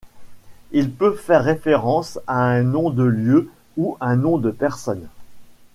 Il peut faire référence à un nom de lieu ou un nom de personne.